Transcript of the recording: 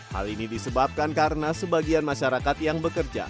hal ini disebabkan karena sebagian masyarakat yang bekerja